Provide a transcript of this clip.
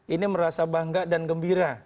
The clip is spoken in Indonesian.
ini merasa bangga dan gembira